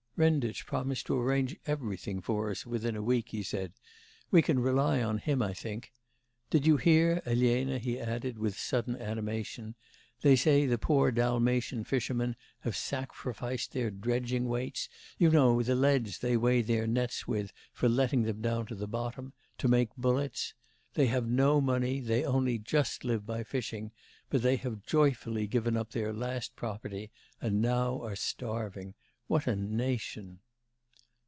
'Renditch promised to arrange everything for us within a week,' he said, 'we can rely on him, I think.... Did you hear, Elena,' he added with sudden animation, 'they say the poor Dalmatian fishermen have sacrificed their dredging weights you know the leads they weigh their nets with for letting them down to the bottom to make bullets! They have no money, they only just live by fishing; but they have joyfully given up their last property, and now are starving. What a nation!